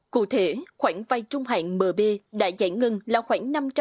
cụ thể khoảng vai trung hạn mb đã giải ngân là khoảng năm trăm năm mươi